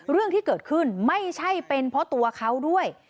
เรื่องที่เกิดขึ้นไม่ใช่เป็นเพราะตัวเขาด้วย